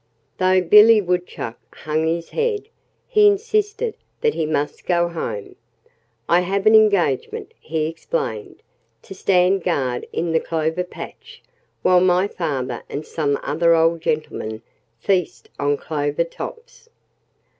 Though Billy Woodchuck hung his head, he insisted that he must go home. "I have an engagement," he explained, "to stand guard in the clover patch, while my father and some other old gentlemen feast on clover tops."